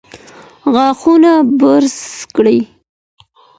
غاښونه برس کړئ.